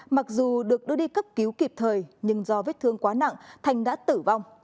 mặc dù được đưa đi cấp cứu kịp thời nhưng do vết thương quá nặng thành đã tử vong